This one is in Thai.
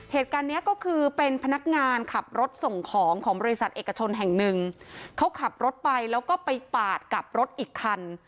เหตุการณ์เนี้ยก็คือเป็นพนักงานขับรถส่งของของบริษัทเอกชนแห่งหนึ่งเขาขับรถไปแล้วก็ไปปาดกับรถอีกคัน